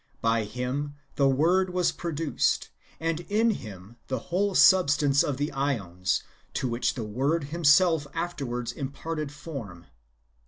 By hiin the Word was produced, and in him the whole substance of the iEons, to which the Word himself afterwards imparted form.